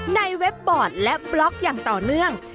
เว็บบอร์ดและบล็อกอย่างต่อเนื่อง